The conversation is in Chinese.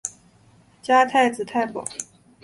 加太子太保。